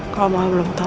kalau mau belum tau